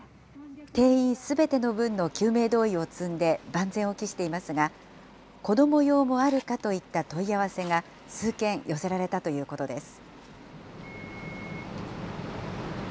定員すべての分の救命胴衣を積んで、万全を期していますが、子ども用もあるかといった問い合わせが数件寄せられたということです。